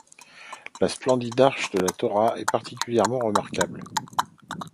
La splendide arche de la Torah est particulièrement remarquable.